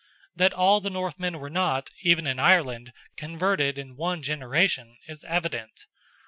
That all the Northmen were not, even in Ireland, converted in one generation, is evident.